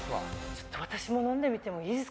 ちょっと私も飲んでみてもいいですか？